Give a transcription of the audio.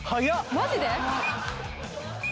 マジで？